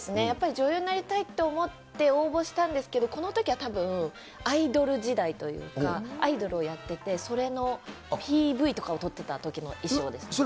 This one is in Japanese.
やっぱり女優になりたいって思って応募したんですけれども、このときはたぶん、アイドル時代というか、アイドルをやってて、それのＰＶとかを撮ってたときの衣装です。